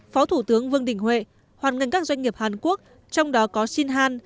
phó thủ tướng vương đình huệ hoàn nghênh các doanh nghiệp hàn quốc trong đó có sinh han